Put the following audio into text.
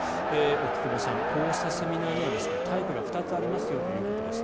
奥窪さん、こうしたセミナーにはタイプが２つありますよということです。